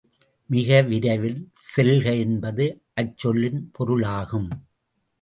மிக விரைவில் செல்க என்பது அச்சொல்லின் பொருள் ஆகும்.